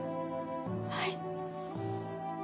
はい。